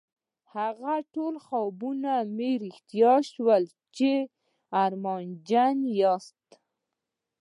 هغه ټول خوبونه به مو رښتيا شي چې ارمانجن يې ياست.